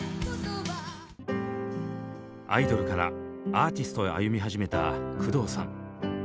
アイドルからアーティストへ歩み始めた工藤さん。